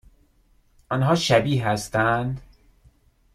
آنها شبیه هستند؟